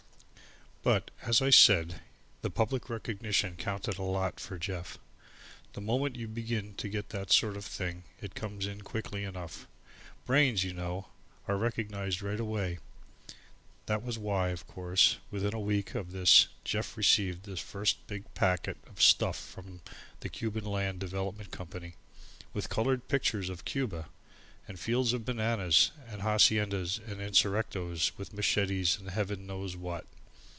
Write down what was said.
But, as I said, the public recognition counted a lot for Jeff. The moment you begin to get that sort of thing it comes in quickly enough. Brains, you know, are recognized right away. That was why, of course, within a week from this Jeff received the first big packet of stuff from the Cuban Land Development Company, with coloured pictures of Cuba, and fields of bananas, and haciendas and insurrectos with machetes and Heaven knows what.